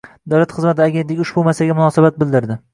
Davlat xizmatlari agentligi ushbu masalaga munosabat bildirdi